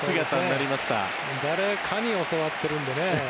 誰かに教わっているんですね。